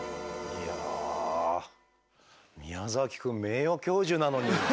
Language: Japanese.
いや宮崎くん名誉教授なのに。